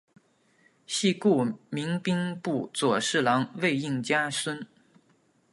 系故明兵部左侍郎魏应嘉孙。